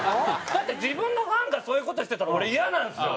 だって自分のファンがそういう事をしてたら俺イヤなんですよ。